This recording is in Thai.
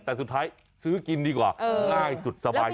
แต่สุดท้ายซื้อกินดีกว่าง่ายสุดสบาย